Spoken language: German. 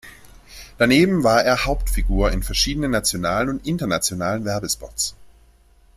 Daneben war er Hauptfigur in verschiedenen nationalen und internationalen Werbespots.